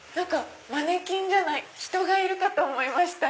マネキンじゃない人がいるかと思いました